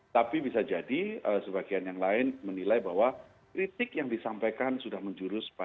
tapi bisa jadi sebagian yang lain menilai bahwa kritik yang disampaikan itu tidak berbeda beda